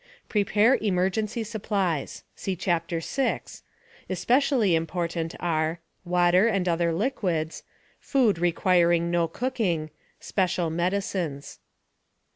* PREPARE EMERGENCY SUPPLIES (See Chapter 6, page 39) Especially important are: * Water and other liquids. * Food requiring no cooking. * Special medicines.